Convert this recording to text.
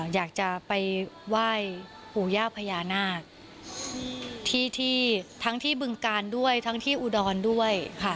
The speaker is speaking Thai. อยากจะไปไหว้ปู่ย่าพญานาคที่ทั้งที่บึงกาลด้วยทั้งที่อุดรด้วยค่ะ